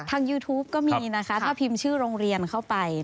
ยูทูปก็มีนะคะถ้าพิมพ์ชื่อโรงเรียนเข้าไป